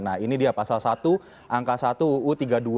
nah ini dia pasal satu angka satu uu tiga puluh dua dua ribu dua